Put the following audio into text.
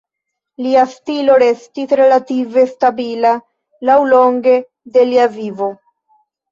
Lia stilo restis relative stabila laŭlonge de lia vivo.